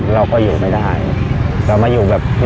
เขาอยู่ได้